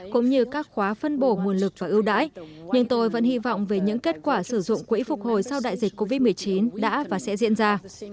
cũng như các khóa phân bổ nguồn lực và ưu đãi nhưng tôi vẫn hy vọng về những kết quả sử dụng quỹ phục hồi sau đại dịch covid một mươi chín đã và sẽ diễn ra